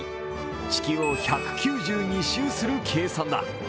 地球を１９２周する計算だ。